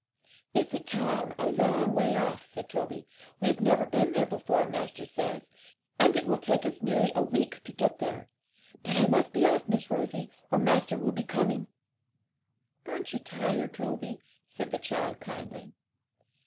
'It's a town a long way off,' said Toby; 'we've never been there before, master says, and it will take us nearly a week to get there. But I must be off, Miss Rosie, or master will be coming.' 'Aren't you tired, Toby?' said the child kindly.